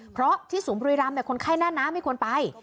เพราะที่สูงบุรีรำคนไข้แน่นนะไม่ควรไป